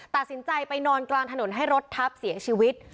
ตัดสินใจไปนอนกลางถนนให้รถทับเสียชีวิต